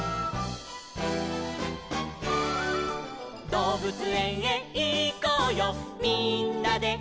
「どうぶつえんへいこうよみんなでいこうよ」